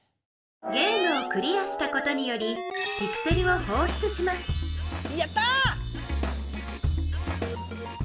ゲームをクリアしたことによりピクセルをほうしゅつしますやった！